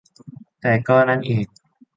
แต่ก็นั่นเอง